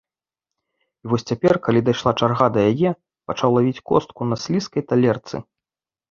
І вось цяпер, калі дайшла чарга да яе, пачаў лавіць костку на слізкай талерцы.